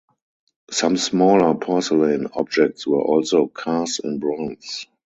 Some smaller porcelain objects were also cast in bronze.